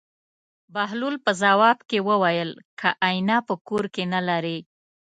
بهلول په ځواب کې وویل: که اېنه په کور کې نه لرې.